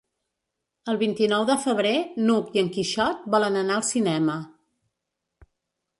El vint-i-nou de febrer n'Hug i en Quixot volen anar al cinema.